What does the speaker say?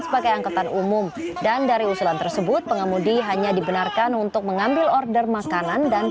sebagai angkatan umum dan dari usulan tersebut pengemudi hanya dibenarkan untuk mengambil ojek online yang berbeda dengan perusahaan yang tersebut